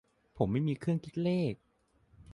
"ผมไม่มีเครื่องคิดเลข"